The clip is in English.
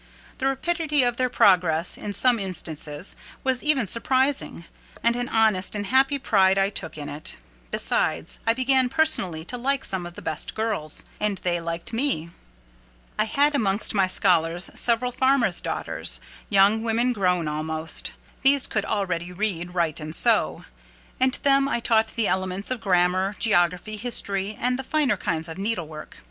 The rapidity of their progress, in some instances, was even surprising; and an honest and happy pride I took in it: besides, I began personally to like some of the best girls; and they liked me. I had amongst my scholars several farmers' daughters: young women grown, almost. These could already read, write, and sew; and to them I taught the elements of grammar, geography, history, and the finer kinds of needlework.